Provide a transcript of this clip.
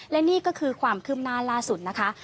และนี่ก็คือความคืบหน้าล่าสุดนะคะ